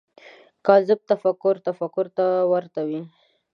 کاذب تفکر تفکر ته ورته وي